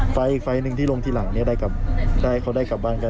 ไฟล์ทอีกไฟล์ทหนึ่งที่ลงที่หลังได้กลับบ้านกัน